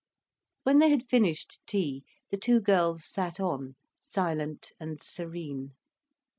When they had finished tea, the two girls sat on, silent and serene.